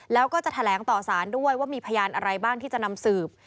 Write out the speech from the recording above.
แล้วก็จะแถลงต่อสารด้วยว่ามีพยานอะไรบ้างที่จะนำสืบ